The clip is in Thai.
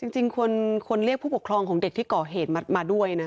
จริงควรเรียกผู้ปกครองของเด็กที่ก่อเหตุมาด้วยนะ